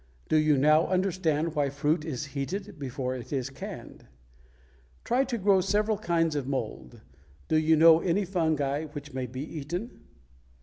Do you now understand why fruit is heated before it is canned? Try to grow several kinds of mold. Do you know any fungi which may be eaten?